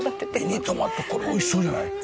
ミニトマトこれおいしそうじゃない！